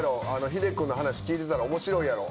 秀君の話聞いてたら面白いやろ？